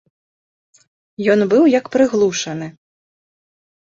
Ён быў як прыглушаны.